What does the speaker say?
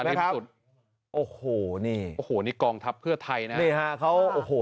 ในที่สุดโอ้โหนี่โอ้โหนี่กองทัพเพื่อไทยนะนี่ฮะเขาโอ้โห